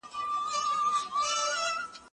زه پرون زدکړه وکړه،